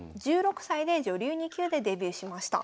１６歳で女流２級でデビューしました。